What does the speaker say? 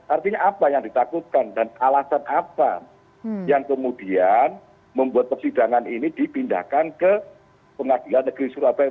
artinya apa yang ditakutkan dan alasan apa yang kemudian membuat persidangan ini dipindahkan ke pengadilan negeri surabaya